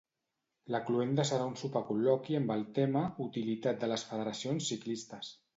La cloenda serà un sopar col·loqui amb el tema Utilitat de les federacions ciclistes.